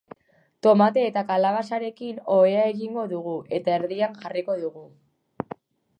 Tomate eta kalabazarekin ohea egingo dugu eta erdian jarriko dugu.